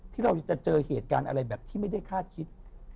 ที่เราจะเจอเหตุการณ์อะไรแบบที่ไม่ได้คาดคิด